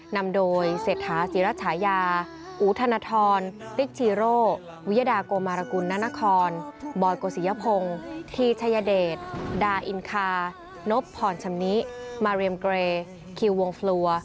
นำโดยเศรษฐาศิรัชญาอูธนทรติ๊กจีโร่วิยดาโกมารกุลนานครบอยโกศิยพงศ์ทีชัยเดชดาอินคานบพรชำนิมาเรียมเกรคิววงฟลัว